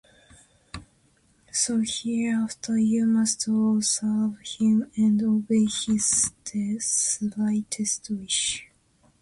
So hereafter you must all serve him, and obey his slightest wish.